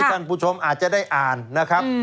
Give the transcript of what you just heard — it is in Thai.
ท่านผู้ชมอาจจะได้อ่านนะครับ